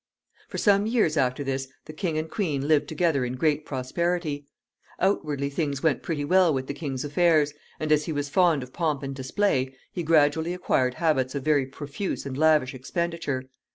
For some years after this the king and queen lived together in great prosperity. Outwardly things went pretty well with the king's affairs, and, as he was fond of pomp and display, he gradually acquired habits of very profuse and lavish expenditure.